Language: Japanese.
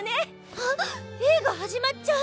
あっ映画始まっちゃう！